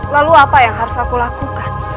lalu apa yang harus aku lakukan